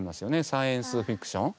サイエンス・フィクション。